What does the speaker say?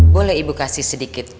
boleh ibu kasih sedikit